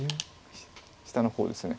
下の方です。